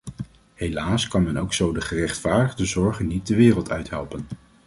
Helaas kan men ook zo de gerechtvaardigde zorgen niet de wereld uit helpen.